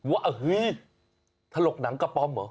ว่าเฮ้ยถลกหนังกระป๋อมเหรอ